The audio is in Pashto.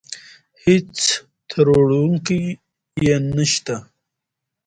هېڅ تروړونکی يې نشته.